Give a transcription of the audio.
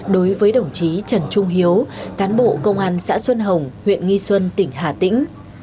đối với đồng chí trần trung hiếu cán bộ công an xã xuân hồng huyện nghi xuân tỉnh hà tĩnh